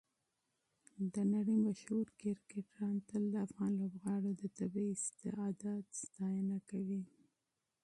د نړۍ مشهور کرکټران تل د افغان لوبغاړو د طبیعي استعداد ستاینه کوي.